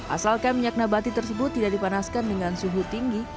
asalkan minyak nabati tersebut tidak dipanaskan dengan suhu tinggi